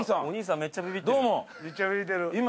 お兄さんめっちゃビビってる。